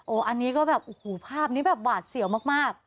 อันนี้ก็แบบโอ้โหภาพนี้แบบหวาดเสียวมาก